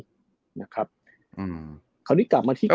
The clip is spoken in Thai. อันนี้กลับมาที่๕๐๕๑ตอนนี้กลับมาที่๕๐๕๑